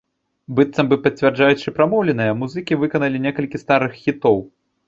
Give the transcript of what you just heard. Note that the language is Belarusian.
Быццам бы пацвярджаючы прамоўленае, музыкі выканалі некалькі старых хітоў.